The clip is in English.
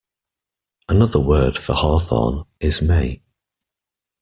Another word for for hawthorn is may.